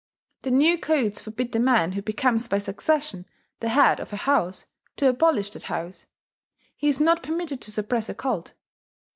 The new codes forbid the man who becomes by succession the head of a house to abolish that house: he is not permitted to suppress a cult.